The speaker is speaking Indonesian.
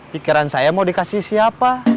pikiran saya mau dikasih siapa